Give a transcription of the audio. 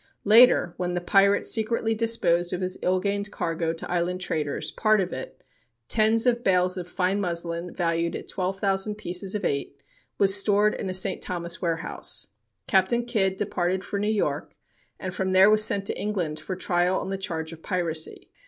Later, when the pirate secretly disposed of his ill gained cargo to island traders, part of it tens of bales of fine muslin valued at 12,000 pieces of eight was stored in a St. Thomas warehouse. Captain Kidd departed for New York, and from there was sent to England for trial on the charge of piracy.